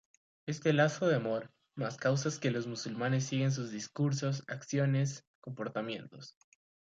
Este lazo de amor más causas que los musulmanes siguen sus discursos, acciones, comportamientos.